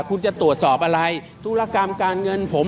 คุณจะตรวจสอบอะไรธุรกรรมการเงินผม